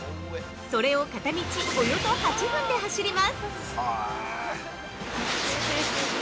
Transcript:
それを片道およそ８分で走ります。